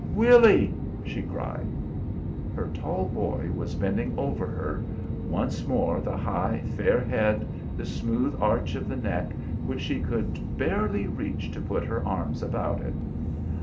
"Willy!" she cried. Her tall boy was bending over her once more the high, fair head, the smooth arch of the neck, which she could barely reach to put her arms about it.